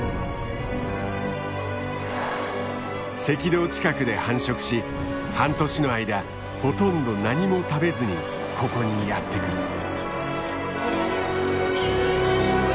赤道近くで繁殖し半年の間ほとんど何も食べずにここにやって来る。